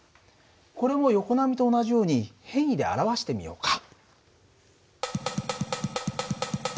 これも横波と同じように変位で表してみようか。